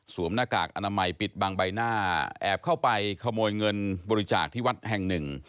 หน้ากากอนามัยปิดบังใบหน้าแอบเข้าไปขโมยเงินบริจาคที่วัดแห่งหนึ่ง